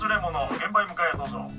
現場へ向かえどうぞ。